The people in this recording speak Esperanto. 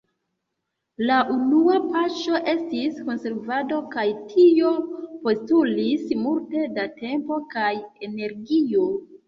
La unua paŝo estis konservado, kaj tio postulis multe da tempo kaj energio.